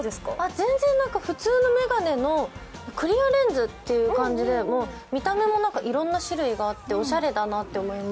全然、普通の眼鏡のクリアレンズって感じで見た目もいろんな種類があっておしゃれだなと思います。